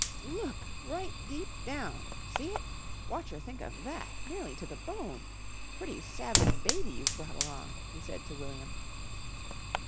"Look! Right deep down! See it? Wotcher think of that! Nearly to the bone! Pretty savage baby you've brought along," he said to William.